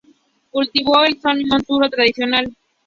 Cultivó el son montuno tradicional.